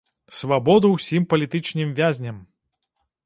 Свабоду ўсім палітычным вязням!